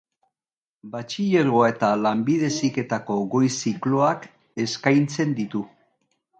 Batxilergoa eta Lanbide heziketako Goi Zikloak eskaintzen ditu.